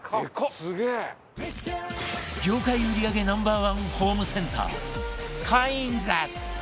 業界売り上げ Ｎｏ．１ ホームセンターカインズ